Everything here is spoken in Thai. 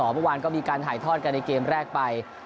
เมื่อวานก็มีการถ่ายทอดกันในเกมแรกไป